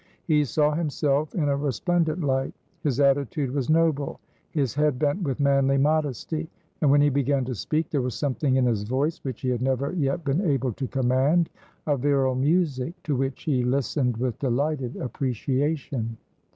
He saw himself in a resplendent light; his attitude was noble, his head bent with manly modesty, and, when he began to speak, there was something in his voice which he had never yet been able to command, a virile music, to which he listened with delighted appreciation.